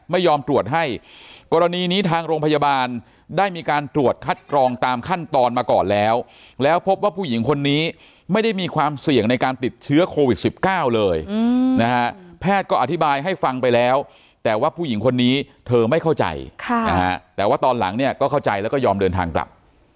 ไม่ยอมตรวจให้กรณีนี้ทางโรงพยาบาลได้มีการตรวจคัดกรองตามขั้นตอนมาก่อนแล้วแล้วพบว่าผู้หญิงคนนี้ไม่ได้มีความเสี่ยงในการติดเชื้อโควิด๑๙เลยนะฮะแพทย์ก็อธิบายให้ฟังไปแล้วแต่ว่าผู้หญิงคนนี้เธอไม่เข้าใจแต่ว่าตอนหลังเนี่ยก็เข้าใจแล้วก็ยอมเดินทางกลับ